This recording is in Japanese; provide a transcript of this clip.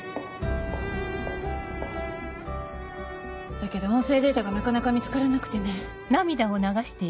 だけど音声データがなかなか見つからなくてね。